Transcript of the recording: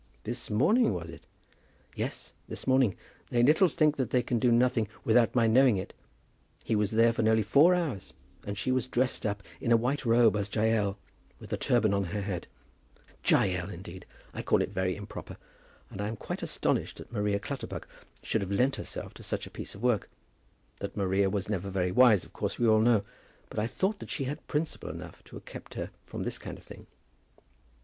"This morning was it?" "Yes; this morning. They little think that they can do nothing without my knowing it. He was there for nearly four hours, and she was dressed up in a white robe as Jael, with a turban on her head. Jael, indeed! I call it very improper, and I am quite astonished that Maria Clutterbuck should have lent herself to such a piece of work. That Maria was never very wise, of course we all know; but I thought that she had principle enough to have kept her from this kind of thing."